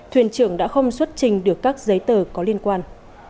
thuyền trưởng đã không xuất trình được các giấy tờ có liên quan